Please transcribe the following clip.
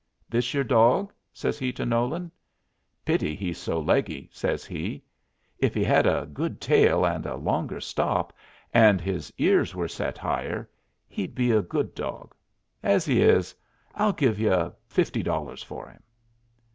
"This your dog?" says he to Nolan. "Pity he's so leggy," says he. "If he had a good tail, and a longer stop, and his ears were set higher, he'd be a good dog. As he is, I'll give you fifty dollars for him."